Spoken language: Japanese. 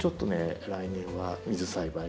来年は水栽培は。